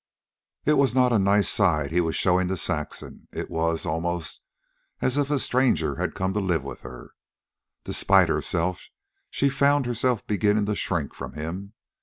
It was not a nice side he was showing to Saxon. It was, almost, as if a stranger had come to live with her. Despite herself, she found herself beginning to shrink from him.